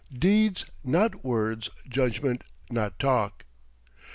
Deeds, not words; judgment, not talk."